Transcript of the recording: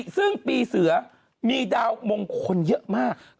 ซึ่งปีเสือมีดาวมงคลเยอะมาก